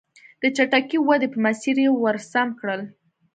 د چټکې ودې په مسیر یې ور سم کړل.